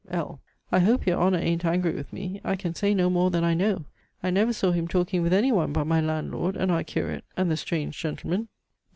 L. I hope your Honour an't angry with me. I can say no more than I know. I never saw him talking with any one, but my landlord, and our curate, and the strange gentleman.